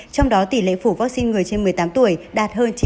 trong đó tỷ lệ phủ vaccine người trên một mươi tám tuổi đạt hơn chín mươi